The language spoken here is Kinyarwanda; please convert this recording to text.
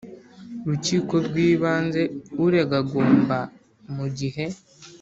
Rukiko rw Ibanze Urega agomba mu gihe